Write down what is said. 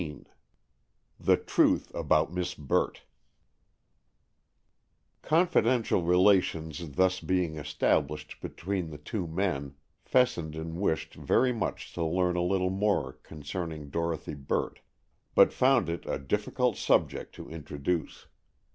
XIX THE TRUTH ABOUT MISS BURT Confidential relations thus being established between the two men, Fessenden wished very much to learn a little more concerning Dorothy Burt, but found it a difficult subject to introduce.